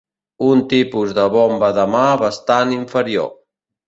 Un tipus de bomba de mà bastant inferior